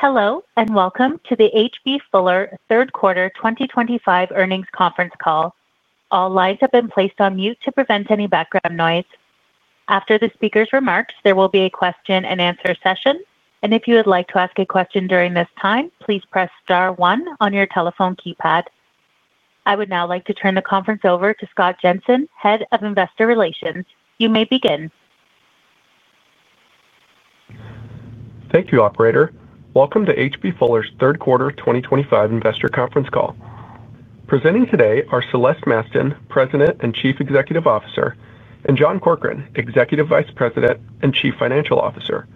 Hello and welcome to the H.B. Fuller Company Third Quarter 2025 Earnings Conference Call. All lines have been placed on mute to prevent any background noise. After the speaker's remarks, there will be a question and answer session, and if you would like to ask a question during this time, please press *1 on your telephone keypad. I would now like to turn the conference over to Scott Jensen, Head of Investor Relations. You may begin. Thank you, Operator. Welcome to H.B. Fuller's Third Quarter 2025 Investor Conference Call. Presenting today are Celeste Mastin, President and Chief Executive Officer, and John Corkrean, Executive Vice President and Chief Financial Officer.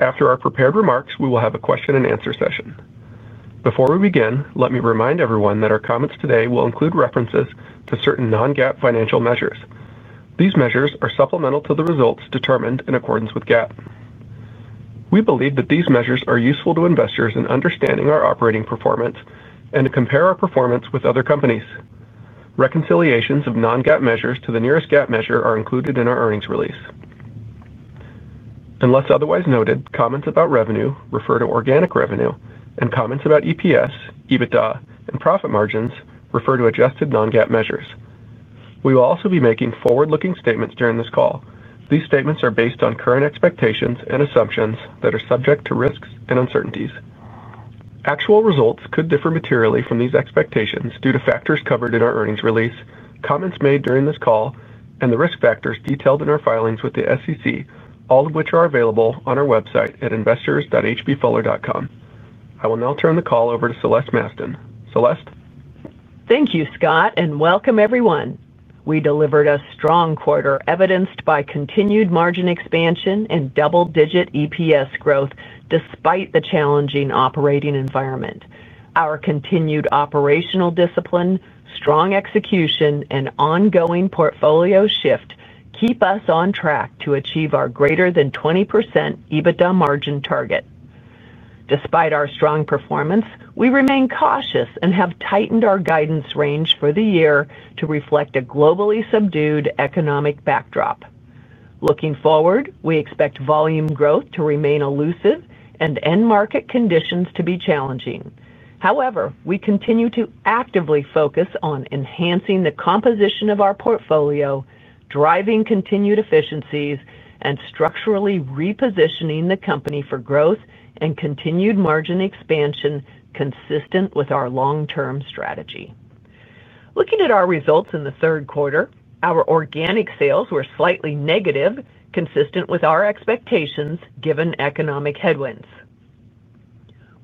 After our prepared remarks, we will have a question and answer session. Before we begin, let me remind everyone that our comments today will include references to certain non-GAAP financial measures. These measures are supplemental to the results determined in accordance with GAAP. We believe that these measures are useful to investors in understanding our operating performance and to compare our performance with other companies. Reconciliations of non-GAAP measures to the nearest GAAP measure are included in our earnings release. Unless otherwise noted, comments about revenue refer to organic revenue, and comments about EPS, EBITDA, and profit margins refer to adjusted non-GAAP measures. We will also be making forward-looking statements during this call. These statements are based on current expectations and assumptions that are subject to risks and uncertainties. Actual results could differ materially from these expectations due to factors covered in our earnings release, comments made during this call, and the risk factors detailed in our filings with the SEC, all of which are available on our website at investors.hbfuller.com. I will now turn the call over to Celeste Mastin. Celeste? Thank you, Scott, and welcome everyone. We delivered a strong quarter, evidenced by continued margin expansion and double-digit EPS growth despite the challenging operating environment. Our continued operational discipline, strong execution, and ongoing portfolio shift keep us on track to achieve our greater than 20% EBITDA margin target. Despite our strong performance, we remain cautious and have tightened our guidance range for the year to reflect a globally subdued economic backdrop. Looking forward, we expect volume growth to remain elusive and end market conditions to be challenging. However, we continue to actively focus on enhancing the composition of our portfolio, driving continued efficiencies, and structurally repositioning the company for growth and continued margin expansion consistent with our long-term strategy. Looking at our results in the third quarter, our organic sales were slightly negative, consistent with our expectations given economic headwinds.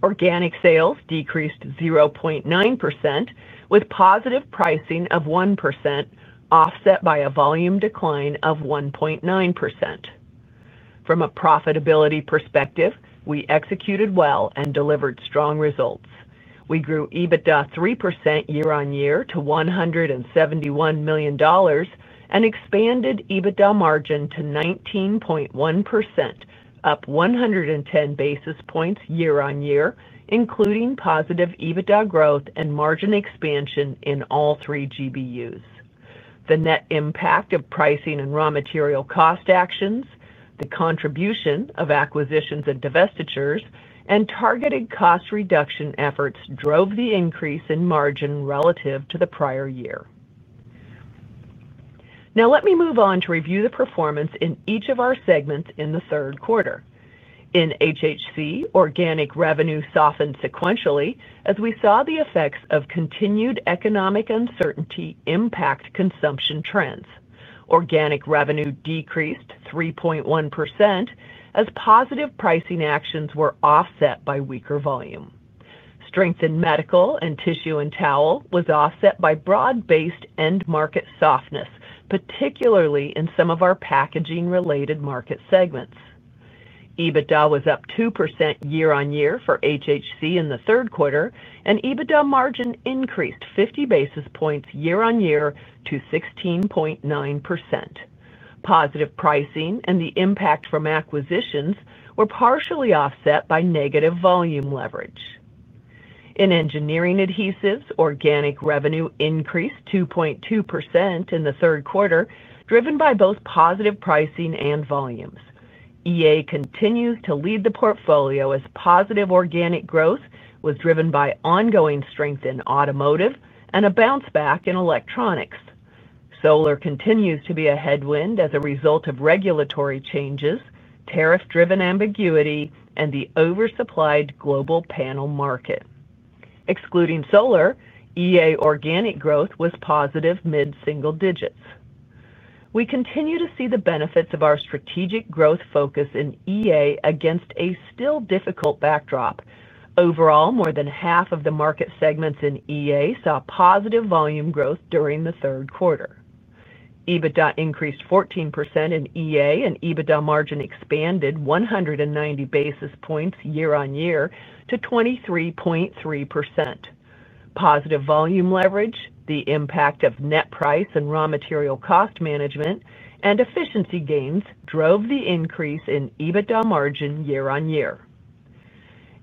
Organic sales decreased 0.9%, with positive pricing of 1%, offset by a volume decline of 1.9%. From a profitability perspective, we executed well and delivered strong results. We grew EBITDA 3% year-on-year to $171 million and expanded EBITDA margin to 19.1%, up 110 basis points year-on-year, including positive EBITDA growth and margin expansion in all three GBUs. The net impact of pricing and raw material cost actions, the contribution of acquisitions and divestitures, and targeted cost reduction efforts drove the increase in margin relative to the prior year. Now let me move on to review the performance in each of our segments in the third quarter. In HHC, organic revenue softened sequentially as we saw the effects of continued economic uncertainty impact consumption trends. Organic revenue decreased 3.1% as positive pricing actions were offset by weaker volume. Strength in medical and tissue and towel was offset by broad-based end market softness, particularly in some of our packaging-related market segments. EBITDA was up 2% year-on-year for HHC in the third quarter, and EBITDA margin increased 50 basis points year-on-year to 16.9%. Positive pricing and the impact from acquisitions were partially offset by negative volume leverage. In Engineering Adhesives, organic revenue increased 2.2% in the third quarter, driven by both positive pricing and volumes. EA continues to lead the portfolio as positive organic growth was driven by ongoing strength in automotive and a bounce-back in electronics. Solar continues to be a headwind as a result of regulatory changes, tariff-driven ambiguity, and the oversupplied global panel market. Excluding solar, EA organic growth was positive mid-single digits. We continue to see the benefits of our strategic growth focus in EA against a still difficult backdrop. Overall, more than half of the market segments in EA saw positive volume growth during the third quarter. EBITDA increased 14% in EA, and EBITDA margin expanded 190 basis points year-on-year to 23.3%. Positive volume leverage, the impact of net price and raw material cost management, and efficiency gains drove the increase in EBITDA margin year-on-year.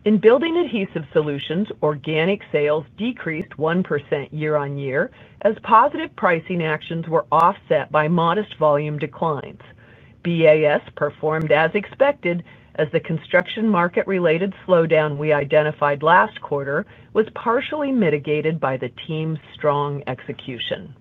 In Building Adhesive Solutions, organic sales decreased 1% year-on-year as positive pricing actions were offset by modest volume declines. BAS performed as expected, as the construction market-related slowdown we identified last quarter was partially mitigated by the team's strong execution.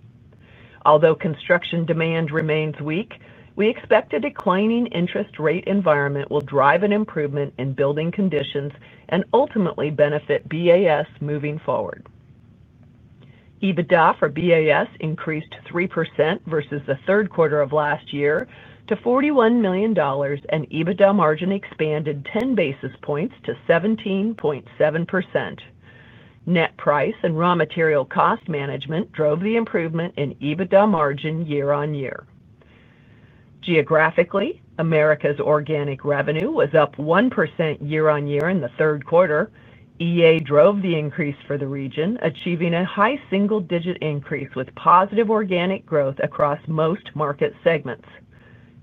Although construction demand remains weak, we expect a declining interest rate environment will drive an improvement in building conditions and ultimately benefit BAS moving forward. EBITDA for BAS increased 3% versus the third quarter of last year to $41 million, and EBITDA margin expanded 10 basis points to 17.7%. Net price and raw material cost management drove the improvement in EBITDA margin year-on-year. Geographically, Americas organic revenue was up 1% year-on-year in the third quarter. EA drove the increase for the region, achieving a high single-digit increase with positive organic growth across most market segments.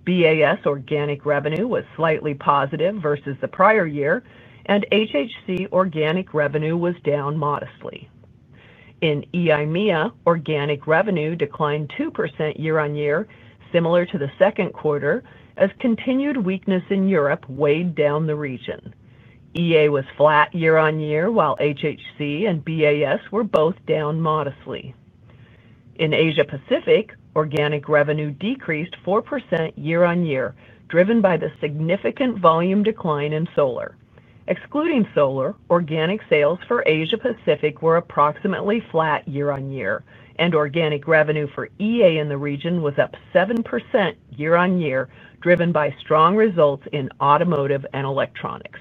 BAS organic revenue was slightly positive versus the prior year, and HHC organic revenue was down modestly. In EIMEA, organic revenue declined 2% year-on-year, similar to the second quarter, as continued weakness in Europe weighed down the region. EA was flat year-on-year, while HHC and BAS were both down modestly. In Asia-Pacific, organic revenue decreased 4% year-on-year, driven by the significant volume decline in solar. Excluding solar, organic sales for Asia-Pacific were approximately flat year-on-year, and organic revenue for EA in the region was up 7% year-on-year, driven by strong results in automotive and electronics.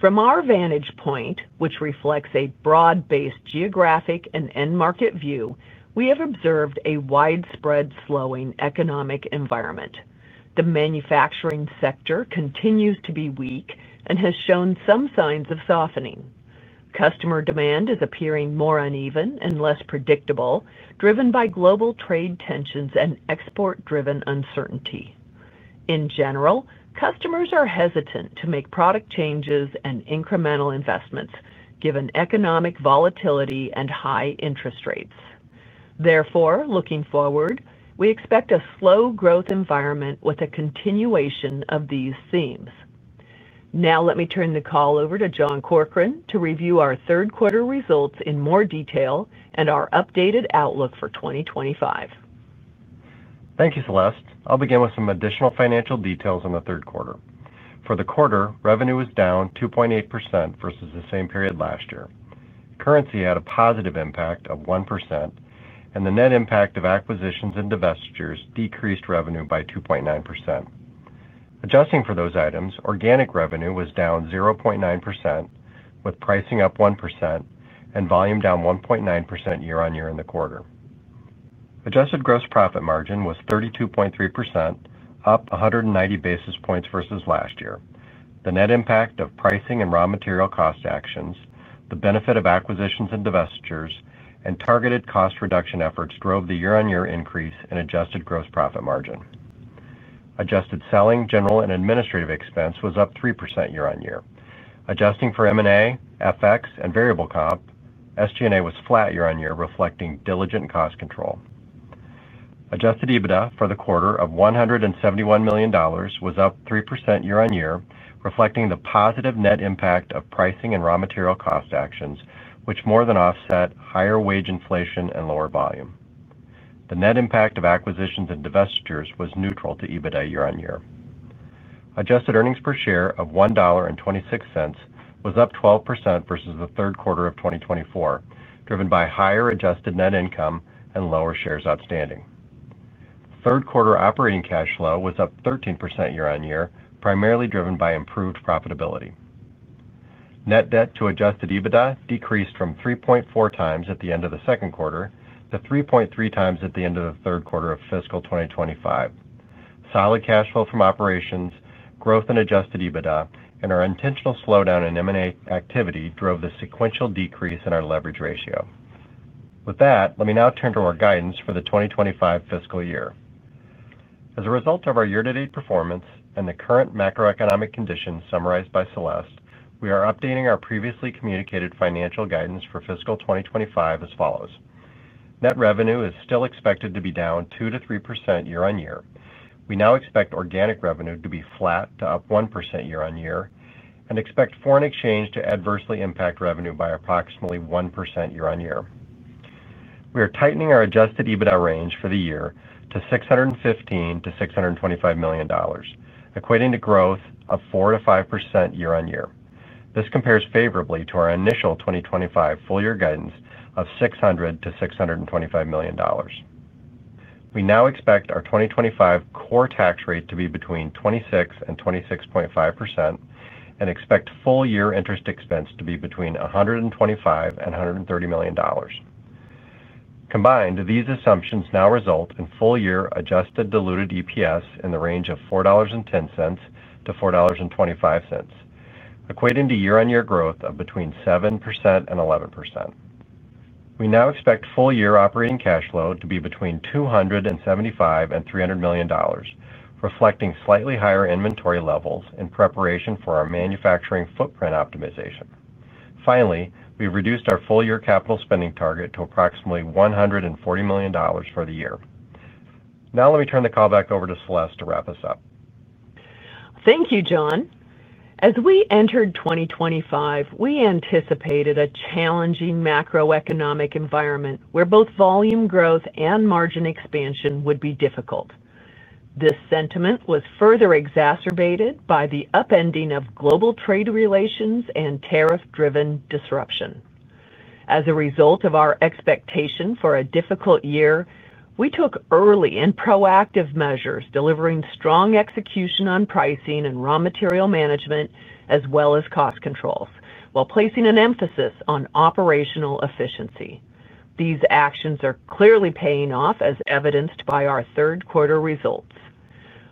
From our vantage point, which reflects a broad-based geographic and end-market view, we have observed a widespread slowing economic environment. The manufacturing sector continues to be weak and has shown some signs of softening. Customer demand is appearing more uneven and less predictable, driven by global trade tensions and export-driven uncertainty. In general, customers are hesitant to make product changes and incremental investments, given economic volatility and high interest rates. Therefore, looking forward, we expect a slow growth environment with a continuation of these themes. Now let me turn the call over to John Corkrean to review our third quarter results in more detail and our updated outlook for 2025. Thank you, Celeste. I'll begin with some additional financial details on the third quarter. For the quarter, revenue was down 2.8% versus the same period last year. Currency had a positive impact of 1%, and the net impact of acquisitions and divestitures decreased revenue by 2.9%. Adjusting for those items, organic revenue was down 0.9%, with pricing up 1% and volume down 1.9% year-on-year in the quarter. Adjusted gross profit margin was 32.3%, up 190 basis points versus last year. The net impact of pricing and raw material cost actions, the benefit of acquisitions and divestitures, and targeted cost reduction efforts drove the year-on-year increase in adjusted gross profit margin. Adjusted selling, general, and administrative expense was up 3% year-on-year. Adjusting for M&A, FX, and variable comp, SG&A was flat year-on-year, reflecting diligent cost control. Adjusted EBITDA for the quarter of $171 million was up 3% year-on-year, reflecting the positive net impact of pricing and raw material cost actions, which more than offset higher wage inflation and lower volume. The net impact of acquisitions and divestitures was neutral to EBITDA year-on-year. Adjusted earnings per share of $1.26 was up 12% versus the third quarter of 2024, driven by higher adjusted net income and lower shares outstanding. Third quarter operating cash flow was up 13% year-on-year, primarily driven by improved profitability. Net debt to adjusted EBITDA decreased from 3.4 times at the end of the second quarter to 3.3 times at the end of the third quarter of fiscal 2025. Solid cash flow from operations, growth in adjusted EBITDA, and our intentional slowdown in M&A activity drove the sequential decrease in our leverage ratio. With that, let me now turn to our guidance for the 2025 fiscal year. As a result of our year-to-date performance and the current macroeconomic conditions summarized by Celeste, we are updating our previously communicated financial guidance for fiscal 2025 as follows. Net revenue is still expected to be down 2 to 3% year-on-year. We now expect organic revenue to be flat to up 1% year-on-year and expect foreign exchange to adversely impact revenue by approximately 1% year-on-year. We are tightening our adjusted EBITDA range for the year to $615 to $625 million, equating to growth of 4 to 5% year-on-year. This compares favorably to our initial 2025 full-year guidance of $600 to $625 million. We now expect our 2025 core tax rate to be between 26 and 26.5% and expect full-year interest expense to be between $125 and $130 million. Combined, these assumptions now result in full-year adjusted diluted EPS in the range of $4.10 to $4.25, equating to year-on-year growth of between 7% and 11%. We now expect full-year operating cash flow to be between $275 and $300 million, reflecting slightly higher inventory levels in preparation for our manufacturing footprint optimization. Finally, we reduced our full-year capital spending target to approximately $140 million for the year. Now let me turn the call back over to Celeste to wrap us up. Thank you, John. As we entered 2025, we anticipated a challenging macroeconomic environment where both volume growth and margin expansion would be difficult. This sentiment was further exacerbated by the upending of global trade relations and tariff-driven disruption. As a result of our expectation for a difficult year, we took early and proactive measures, delivering strong execution on pricing and raw material management, as well as cost controls, while placing an emphasis on operational efficiency. These actions are clearly paying off, as evidenced by our third quarter results.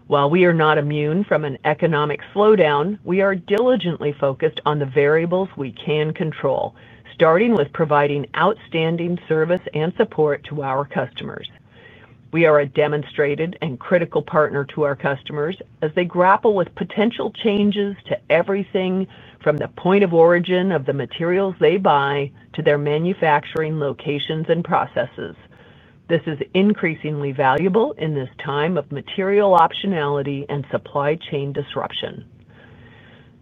While we are not immune from an economic slowdown, we are diligently focused on the variables we can control, starting with providing outstanding service and support to our customers. We are a demonstrated and critical partner to our customers as they grapple with potential changes to everything from the point of origin of the materials they buy to their manufacturing locations and processes. This is increasingly valuable in this time of material optionality and supply chain disruption.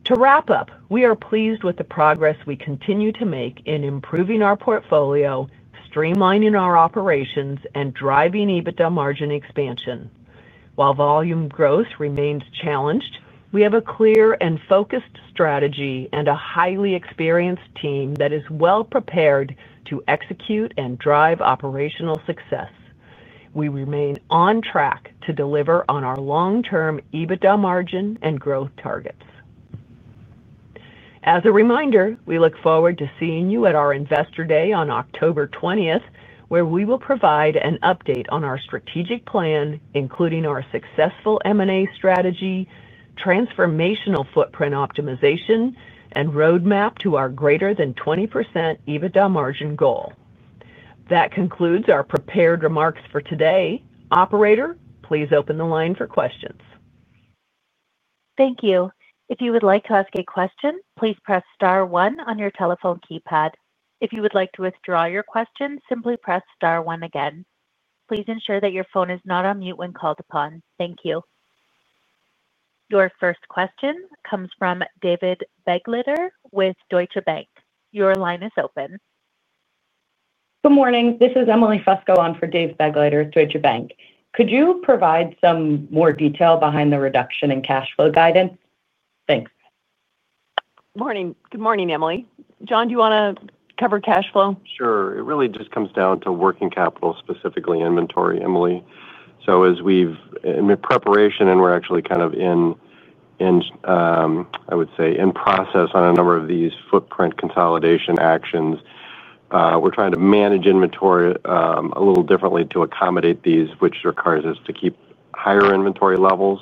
To wrap up, we are pleased with the progress we continue to make in improving our portfolio, streamlining our operations, and driving EBITDA margin expansion. While volume growth remains challenged, we have a clear and focused strategy and a highly experienced team that is well prepared to execute and drive operational success. We remain on track to deliver on our long-term EBITDA margin and growth targets. As a reminder, we look forward to seeing you at our Investor Day on October 20, where we will provide an update on our strategic plan, including our successful M&A strategy, transformational footprint optimization, and roadmap to our greater than 20% EBITDA margin goal. That concludes our prepared remarks for today. Operator, please open the line for questions. Thank you. If you would like to ask a question, please press *1 on your telephone keypad. If you would like to withdraw your question, simply press *1 again. Please ensure that your phone is not on mute when called upon. Thank you. Your first question comes from David Begleiter with Deutsche Bank. Your line is open. Good morning. This is Emily Fusco on for David Begleiter with Deutsche Bank. Could you provide some more detail behind the reduction in cash flow guidance? Thanks. Good morning. Good morning, Emily. John, do you want to cover cash flow? Sure. It really just comes down to working capital, specifically inventory, Emily. As we've, in preparation, and we're actually kind of in, I would say, in process on a number of these footprint consolidation actions, we're trying to manage inventory a little differently to accommodate these, which requires us to keep higher inventory levels.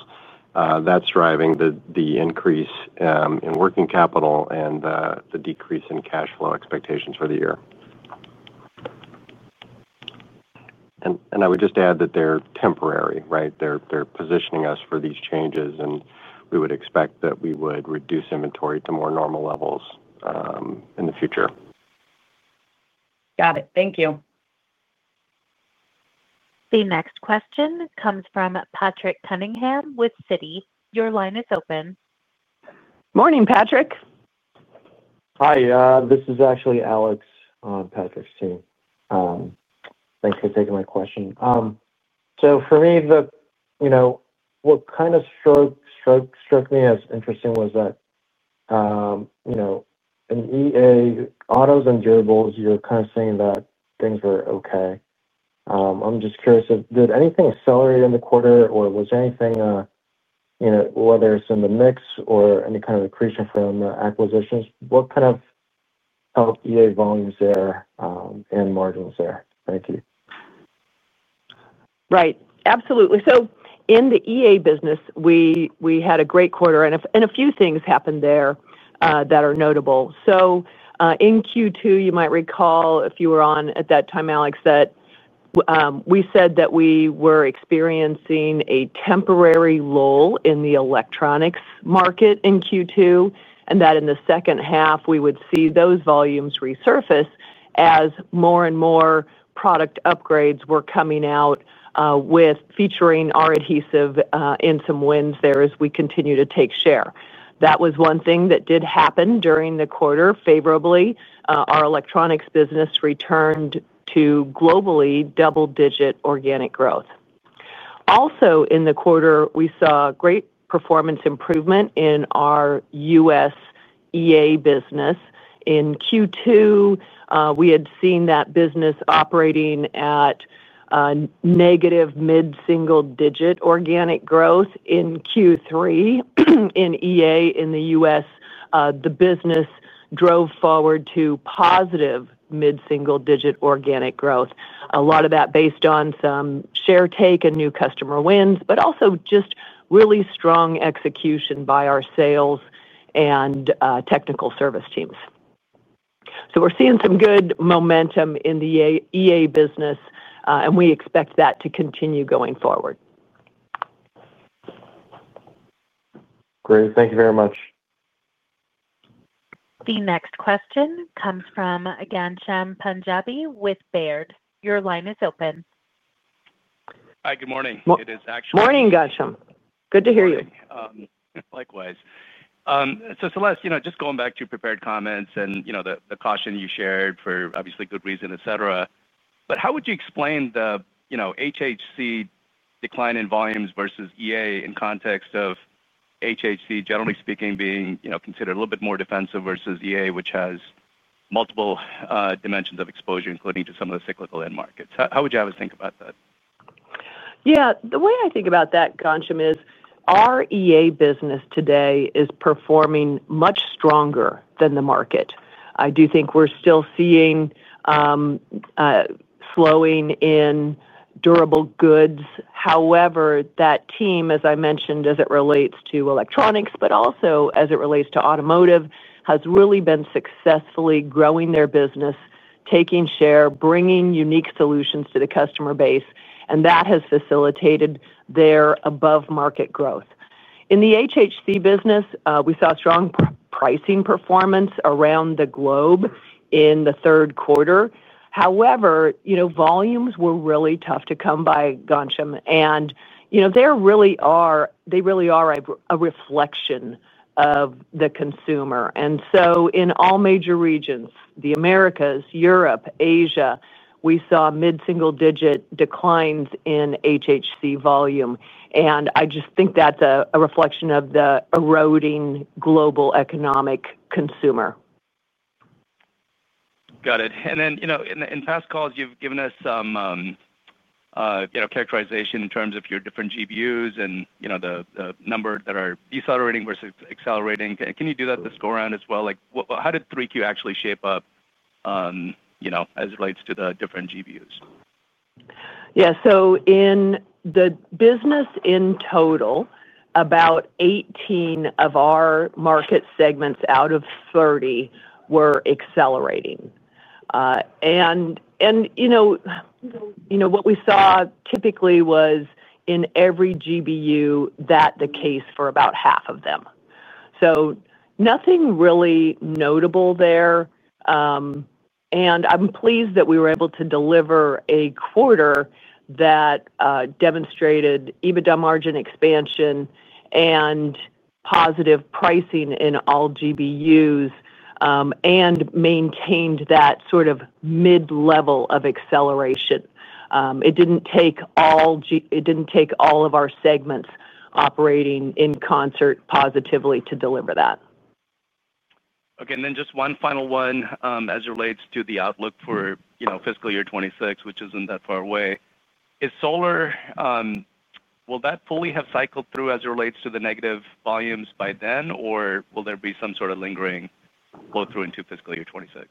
That's driving the increase in working capital and the decrease in cash flow expectations for the year. I would just add that they're temporary, right? They're positioning us for these changes, and we would expect that we would reduce inventory to more normal levels in the future. Got it. Thank you. The next question comes from Patrick Kivits with Citigroup. Your line is open. Morning, Patrick. Hi, this is actually Alex on Patrick's team. Thanks for taking my question. For me, what kind of struck me as interesting was that in EA, autos and durables, you're kind of saying that things are okay. I'm just curious, did anything accelerate in the quarter, or was anything, whether it's in the mix or any kind of accretion from the acquisitions? What kind of helped EA volumes there and margins there? Thank you. Right. Absolutely. In the EA business, we had a great quarter, and a few things happened there that are notable. In Q2, you might recall if you were on at that time, Alex, that we said we were experiencing a temporary lull in the electronics market in Q2, and that in the second half, we would see those volumes resurface as more and more product upgrades were coming out featuring our adhesive and some wins there as we continue to take share. That was one thing that did happen during the quarter favorably. Our electronics business returned to globally double-digit organic growth. Also, in the quarter, we saw great performance improvement in our U.S. EA business. In Q2, we had seen that business operating at negative mid-single-digit organic growth. In Q3, in EA in the U.S., the business drove forward to positive mid-single-digit organic growth. A lot of that based on some share take and new customer wins, but also just really strong execution by our sales and technical service teams. We are seeing some good momentum in the EA business, and we expect that to continue going forward. Great, thank you very much. The next question comes from Ghansham Panjabi with Baird. Your line is open. Hi, good morning. It is actually. Morning, Ghansham. Good to hear you. Celeste, just going back to prepared comments and the caution you shared for obviously good reason, how would you explain the HHC decline in volumes versus EA in context of HHC generally speaking being considered a little bit more defensive versus EA, which has multiple dimensions of exposure, including to some of the cyclical end markets? How would you have us think about that? Yeah, the way I think about that, Ghansham, is our EA business today is performing much stronger than the market. I do think we're still seeing slowing in durable goods. However, that team, as I mentioned, as it relates to electronics, but also as it relates to automotive, has really been successfully growing their business, taking share, bringing unique solutions to the customer base, and that has facilitated their above-market growth. In the HHC business, we saw strong pricing performance around the globe in the third quarter. However, volumes were really tough to come by, Ghansham, and they really are a reflection of the consumer. In all major regions, the Americas, Europe, Asia, we saw mid-single-digit declines in HHC volume, and I just think that's a reflection of the eroding global economic consumer. Got it. In past calls, you've given us some characterization in terms of your different GBUs and the number that are decelerating versus accelerating. Can you do that this go around as well? How did 3Q actually shape up as it relates to the different GBUs? Yeah, so in the business in total, about 18 of our market segments out of 30 were accelerating. What we saw typically was in every GBU, that the case for about half of them. Nothing really notable there. I'm pleased that we were able to deliver a quarter that demonstrated EBITDA margin expansion and positive pricing in all GBUs and maintained that sort of mid-level of acceleration. It didn't take all of our segments operating in concert positively to deliver that. Okay, and then just one final one as it relates to the outlook for, you know, fiscal year 2026, which isn't that far away. Is solar, will that fully have cycled through as it relates to the negative volumes by then, or will there be some sort of lingering flow through into fiscal year 2026?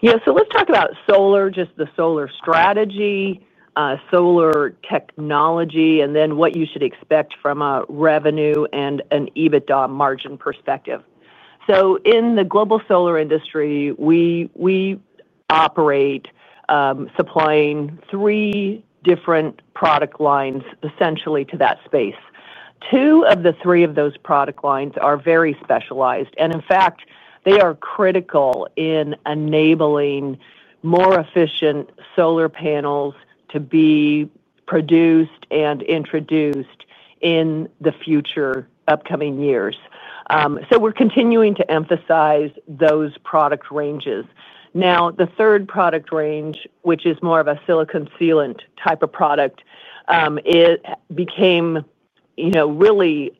Yeah, let's talk about solar, just the solar strategy, solar technology, and then what you should expect from a revenue and an EBITDA margin perspective. In the global solar industry, we operate supplying three different product lines essentially to that space. Two of the three of those product lines are very specialized, and in fact, they are critical in enabling more efficient solar panels to be produced and introduced in the future upcoming years. We're continuing to emphasize those product ranges. The third product range, which is more of a silicon sealant type of product, became really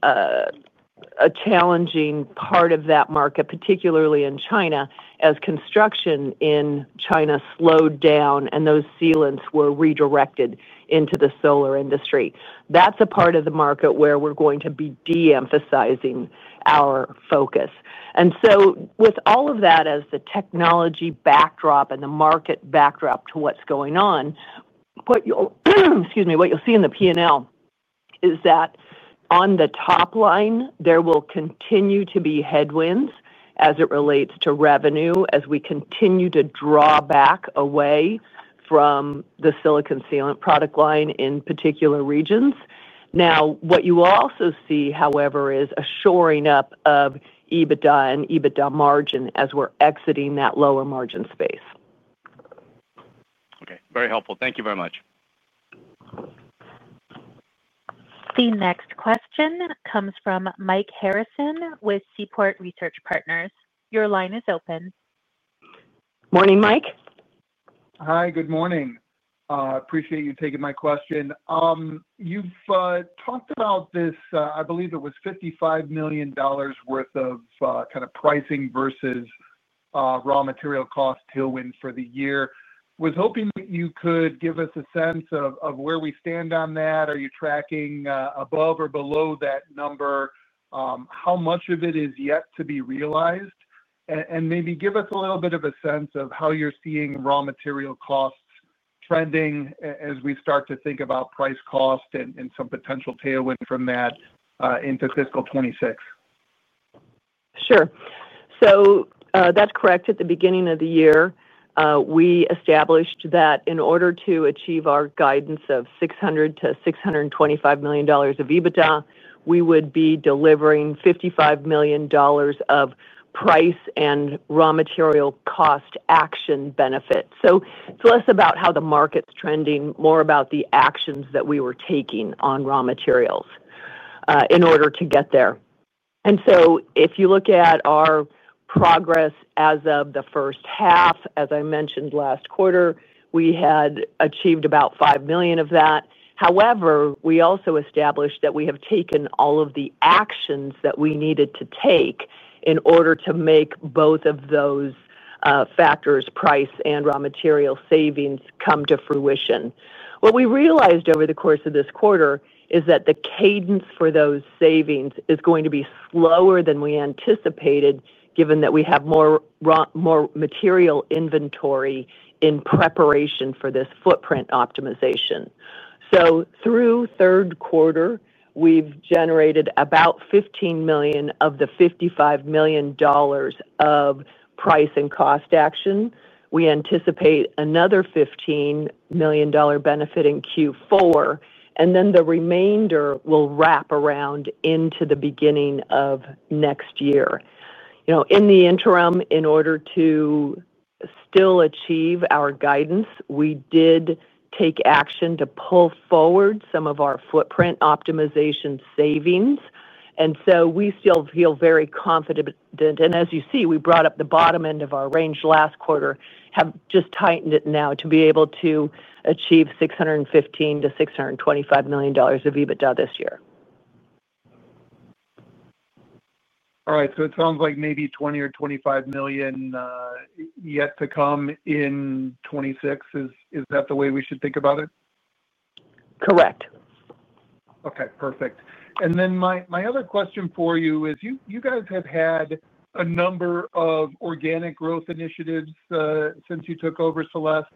a challenging part of that market, particularly in China, as construction in China slowed down and those sealants were redirected into the solar industry. That's a part of the market where we're going to be de-emphasizing our focus. With all of that as the technology backdrop and the market backdrop to what's going on, what you'll see in the P&L is that on the top line, there will continue to be headwinds as it relates to revenue as we continue to draw back away from the silicon sealant product line in particular regions. What you will also see, however, is a shoring up of EBITDA and EBITDA margin as we're exiting that lower margin space. Okay, very helpful. Thank you very much. The next question comes from Mike Harrison with Seaport Research Partners. Your line is open. Morning, Mike. Hi, good morning. I appreciate you taking my question. You've talked about this, I believe it was $55 million worth of kind of pricing versus raw material cost tailwinds for the year. I was hoping you could give us a sense of where we stand on that. Are you tracking above or below that number? How much of it is yet to be realized? Maybe give us a little bit of a sense of how you're seeing raw material costs trending as we start to think about price cost and some potential tailwind from that into fiscal 2026. Sure. That's correct. At the beginning of the year, we established that in order to achieve our guidance of $600 to $625 million of EBITDA, we would be delivering $55 million of price and raw material cost action benefits. It's less about how the market's trending, more about the actions that we were taking on raw materials in order to get there. If you look at our progress as of the first half, as I mentioned last quarter, we had achieved about $5 million of that. However, we also established that we have taken all of the actions that we needed to take in order to make both of those factors, price and raw material savings, come to fruition. What we realized over the course of this quarter is that the cadence for those savings is going to be slower than we anticipated, given that we have more material inventory in preparation for this footprint optimization. Through third quarter, we've generated about $15 million of the $55 million of price and cost action. We anticipate another $15 million benefit in Q4, and then the remainder will wrap around into the beginning of next year. In the interim, in order to still achieve our guidance, we did take action to pull forward some of our footprint optimization savings. We still feel very confident, and as you see, we brought up the bottom end of our range last quarter, have just tightened it now to be able to achieve $615 to $625 million of EBITDA this year. All right, it sounds like maybe $20 million or $25 million yet to come in 2026. Is that the way we should think about it? Correct. Okay, perfect. My other question for you is, you guys have had a number of organic growth initiatives since you took over, Celeste.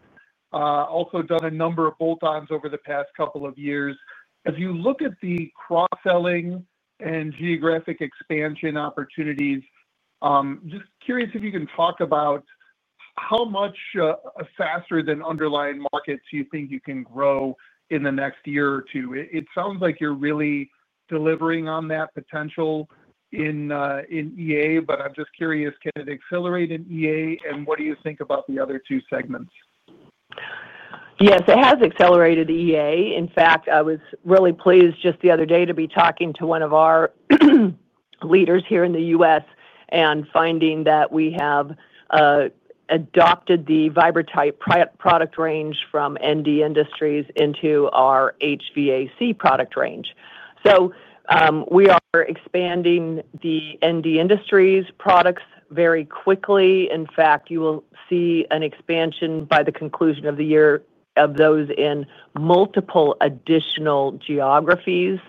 Also done a number of bolt-ons over the past couple of years. As you look at the cross-selling and geographic expansion opportunities, I'm just curious if you can talk about how much faster than underlying markets do you think you can grow in the next year or two? It sounds like you're really delivering on that potential in EA, but I'm just curious, can it accelerate in EA, and what do you think about the other two segments? Yes, it has accelerated EA. In fact, I was really pleased just the other day to be talking to one of our leaders here in the U.S. and finding that we have adopted the Vibertype product range from ND Industries into our HVAC product range. We are expanding the ND Industries products very quickly. In fact, you will see an expansion by the conclusion of the year of those in multiple additional geographies,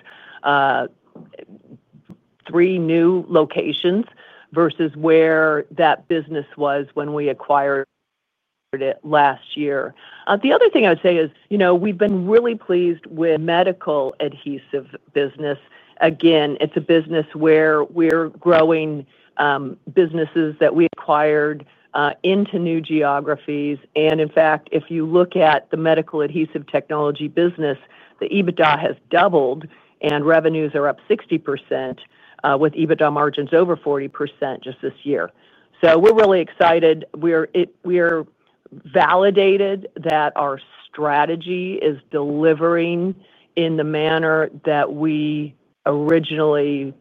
three new locations versus where that business was when we acquired it last year. The other thing I would say is, you know, we've been really pleased with the medical adhesives business. It's a business where we're growing businesses that we acquired into new geographies. In fact, if you look at the medical adhesives technology business, the EBITDA has doubled and revenues are up 60% with EBITDA margins over 40% just this year. We're really excited. We're validated that our strategy is delivering in the manner that we originally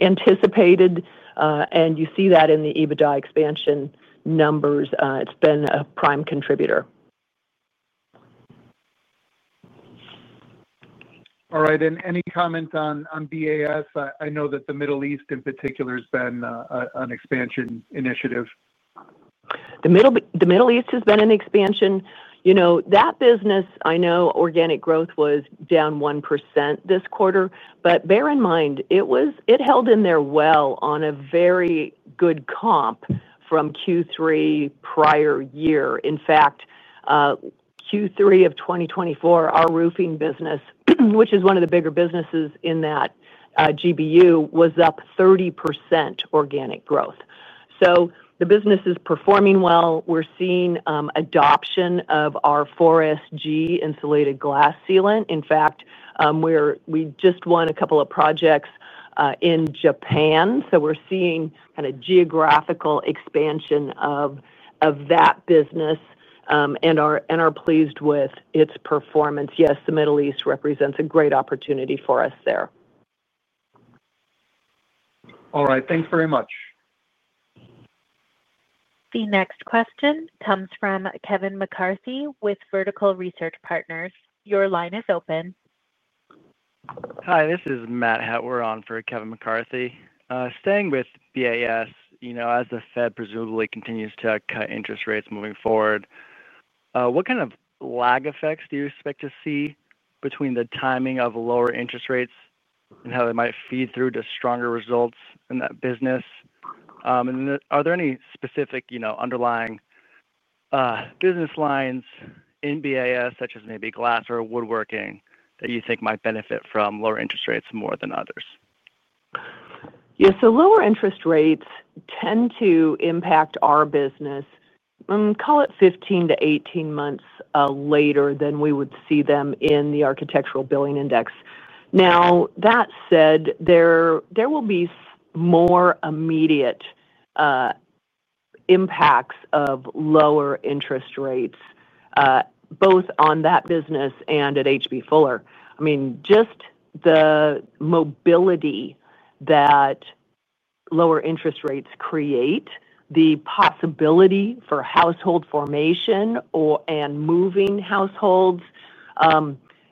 anticipated, and you see that in the EBITDA expansion numbers. It's been a prime contributor. All right, any comment on BAS? I know that the Middle East in particular has been an expansion initiative. The Middle East has been an expansion. You know, that business, I know organic growth was down 1% this quarter, but bear in mind, it held in there well on a very good comp from Q3 prior year. In fact, Q3 of 2024, our roofing business, which is one of the bigger businesses in that GBU, was up 30% organic growth. The business is performing well. We're seeing adoption of our 4SG insulated glass sealant. In fact, we just won a couple of projects in Japan. We're seeing kind of geographical expansion of that business and are pleased with its performance. Yes, the Middle East represents a great opportunity for us there. All right, thanks very much. The next question comes from Kevin McCarthy with Vertical Research Partners. Your line is open. Hi, this is Matt Hettwer on for Kevin McCarthy. Staying with BAS, as the Fed presumably continues to cut interest rates moving forward, what kind of lag effects do you expect to see between the timing of lower interest rates and how they might feed through to stronger results in that business? Are there any specific underlying business lines in BAS, such as maybe glass or woodworking, that you think might benefit from lower interest rates more than others? Yeah, so lower interest rates tend to impact our business, call it 15 to 18 months later than we would see them in the architectural billing index. That said, there will be more immediate impacts of lower interest rates, both on that business and at H.B. Fuller Company. I mean, just the mobility that lower interest rates create, the possibility for household formation and moving households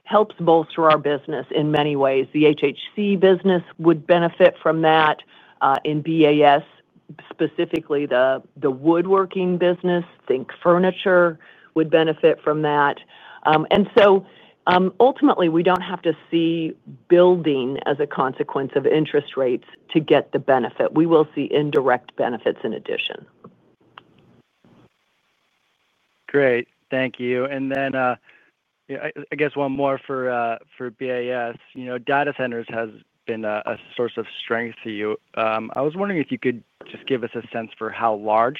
helps bolster our business in many ways. The HHC business would benefit from that. In BAS, specifically the woodworking business, think furniture would benefit from that. Ultimately, we don't have to see building as a consequence of interest rates to get the benefit. We will see indirect benefits in addition. Great, thank you. I guess one more for BAS. You know, data centers have been a source of strength to you. I was wondering if you could just give us a sense for how large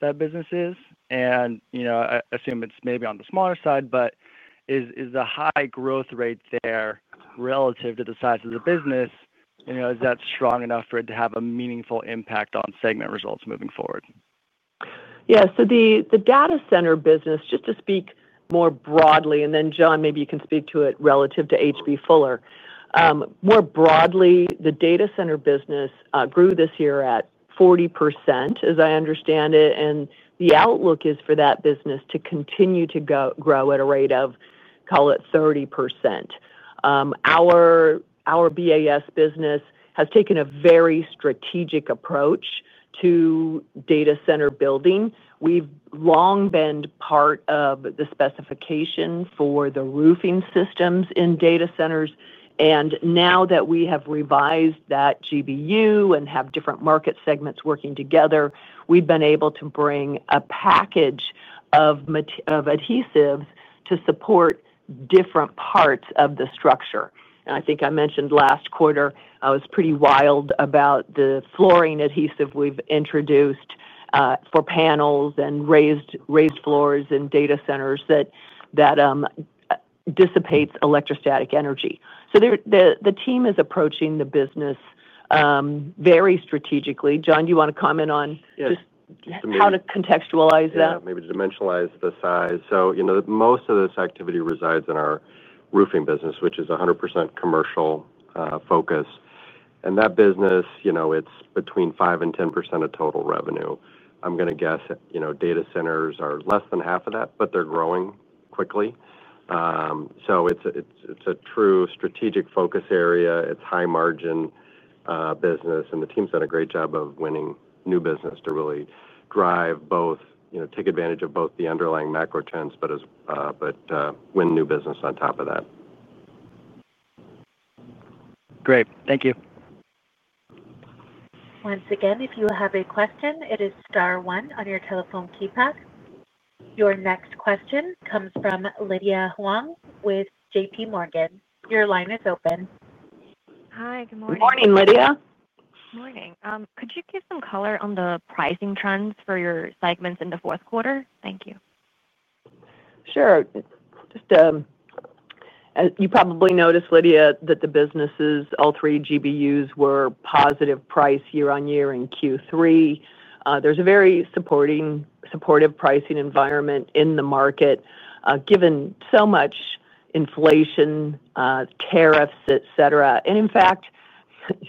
that business is. I assume it's maybe on the smaller side, but is the high growth rate there relative to the size of the business, you know, is that strong enough for it to have a meaningful impact on segment results moving forward? Yeah, so the data center business, just to speak more broadly, and then John, maybe you can speak to it relative to H.B. Fuller. More broadly, the data center business grew this year at 40%, as I understand it, and the outlook is for that business to continue to grow at a rate of, call it, 30%. Our BAS business has taken a very strategic approach to data center building. We've long been part of the specification for the roofing systems in data centers, and now that we have revised that GBU and have different market segments working together, we've been able to bring a package of adhesives to support different parts of the structure. I think I mentioned last quarter I was pretty wild about the flooring adhesive we've introduced for panels and raised floors in data centers that dissipate electrostatic energy. The team is approaching the business very strategically. John, do you want to comment on just how to contextualize that? Maybe to dimensionalize the size. Most of this activity resides in our roofing business, which is 100% commercial focus. That business is between 5% and 10% of total revenue. I'm going to guess data center solutions are less than half of that, but they're growing quickly. It's a true strategic focus area. It's a high margin business, and the team's done a great job of winning new business to really drive both, you know, take advantage of both the underlying macro trends, but win new business on top of that. Great, thank you. Once again, if you have a question, it is *1 on your telephone keypad. Your next question comes from Lydia Huang with JPMorgan. Your line is open. Hi, good morning. Morning, Lydia. Morning. Could you give some color on the pricing trends for your segments in the fourth quarter? Thank you. Sure. As you probably noticed, Lydia, the businesses, all three GBUs, were positive price year-on-year in Q3. There is a very supportive pricing environment in the market, given so much inflation, tariffs, et cetera. In fact,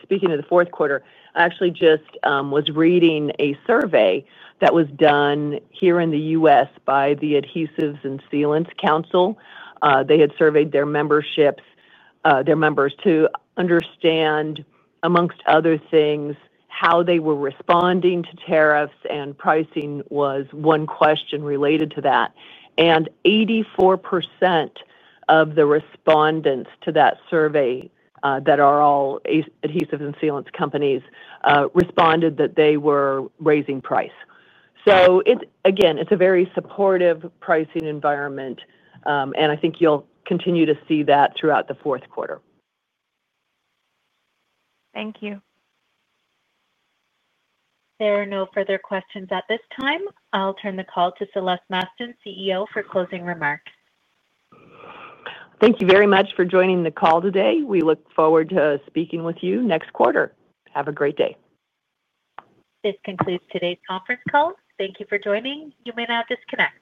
speaking of the fourth quarter, I actually just was reading a survey that was done here in the U.S. by the Adhesives and Sealants Council. They had surveyed their members to understand, amongst other things, how they were responding to tariffs, and pricing was one question related to that. 84% of the respondents to that survey, that are all adhesives and sealants companies, responded that they were raising price. It is a very supportive pricing environment, and I think you'll continue to see that throughout the fourth quarter. Thank you. There are no further questions at this time. I'll turn the call to Celeste Mastin, CEO, for closing remarks. Thank you very much for joining the call today. We look forward to speaking with you next quarter. Have a great day. This concludes today's conference call. Thank you for joining. You may now disconnect.